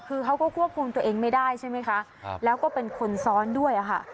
คือเขาก็ควบคุมตัวเองไม่ได้ใช่ไหมคะแล้วก็เป็นคนซ้อนด้วยค่ะ